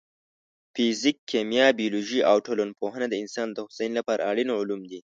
فزیک، کیمیا، بیولوژي او ټولنپوهنه د انسان د هوساینې لپاره اړین علوم دي.